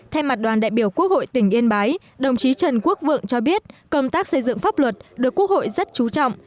thay mặt đoàn đại biểu quốc hội tỉnh yên bái đồng chí trần quốc vượng cho biết công tác xây dựng pháp luật được quốc hội rất chú trọng